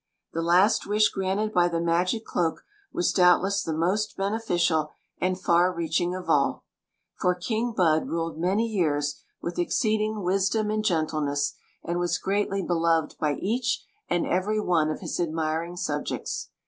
The last wish granted by the magic cloak was doubtless the most beneficial and far reaching of all ; for King Bud ruled many years with exceeding wis Story of the Magic Cloak 3 03 dom and gentleness, and was greatly beloved by each and every one of his admiring subjects.